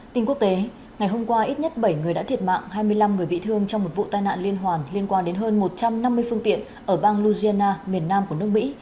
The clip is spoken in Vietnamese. tin quốc tế ngày hôm qua ít nhất bảy người đã thiệt mạng hai mươi năm người bị thương trong một vụ tai nạn liên hoàn liên quan đến hơn một trăm năm mươi phương tiện ở bang louisiana miền nam của nước mỹ